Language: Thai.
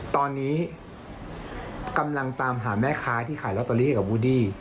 ตอนนี้กำลังตามหาแม่ค้าที่ขายลอตเตอรี่กับวูดดี้